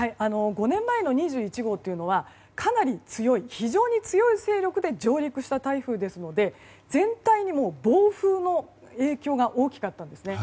５年前の２１号というのは非常に強い勢力で上陸した台風ですので全体にも暴風の影響が大きかったんですね。